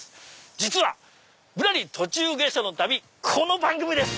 実は『ぶらり途中下車の旅』この番組です！